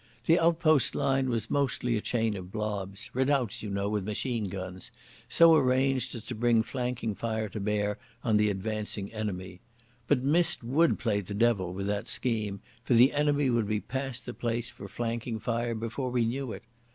The outpost line was mostly a chain of blobs—redoubts, you know, with machine guns—so arranged as to bring flanking fire to bear on the advancing enemy. But mist would play the devil with that scheme, for the enemy would be past the place for flanking fire before we knew it...